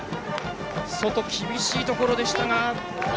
外、厳しいところでしたが。